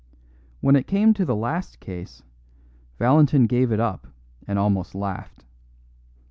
When it came to the last case, Valentin gave it up and almost laughed.